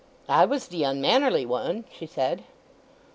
"I was the unmannerly one," she said.